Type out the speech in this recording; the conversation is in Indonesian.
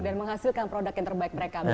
dan menghasilkan produk yang terbaik mereka